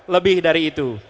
lebih dari itu